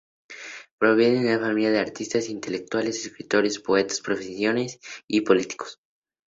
Proviene de una familia de artistas, intelectuales, escritores, poetas, profesores y políticos.